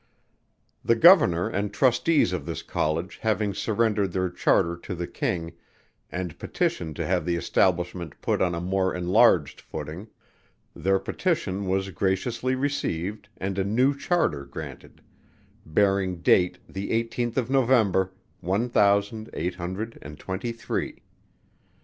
The Governor and Trustees of this College having surrendered their charter to the King, and petitioned to have the Establishment put on a more enlarged footing; their petition was graciously received and a new charter granted, bearing date the eighteenth of November, one thousand eight hundred and twenty three.